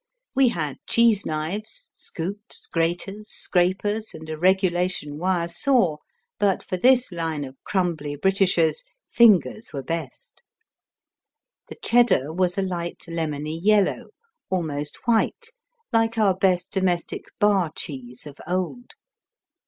We had cheese knives, scoops, graters, scrapers and a regulation wire saw, but for this line of crumbly Britishers fingers were best. The Cheddar was a light, lemony yellow, almost white, like our best domestic "bar cheese" of old.